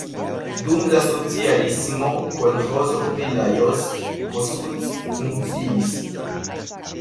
Dum la socialismo kolĥozo pri Lajos Kossuth funkciis.